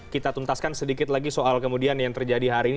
kita tuntaskan sedikit lagi soal kemudian yang terjadi hari ini